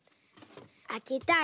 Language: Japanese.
あけたら。